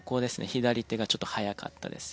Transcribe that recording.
左手がちょっと早かったですよね。